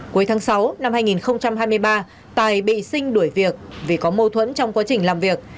cuối tháng sáu năm hai nghìn hai mươi ba tài bị sinh đuổi việc vì có mâu thuẫn trong quá trình làm việc